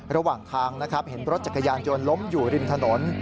ระหว่างทางนะครับเห็นรถจักรยานยนต์ล้มอยู่ริมถนน